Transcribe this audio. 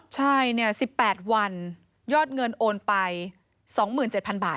ใช่๑๘วันยอดเงินโอนไป๒๗๐๐บาท